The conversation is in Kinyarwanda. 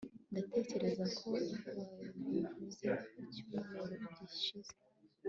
ndatekereza ko wabivuze mu cyumweru gishize